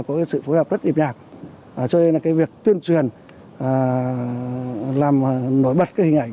có sự phối hợp rất hiệp nhạc cho nên việc tuyên truyền làm nổi bật hình ảnh